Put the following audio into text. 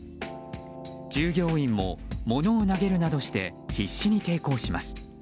従業員も物を投げるなどして必死に抵抗します。